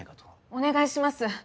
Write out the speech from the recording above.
お願いします